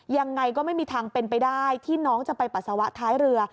ยังไงก็ไม่มีทางเป็นไปได้ที่น้องจะไปปัสสาวะท้ายเรือ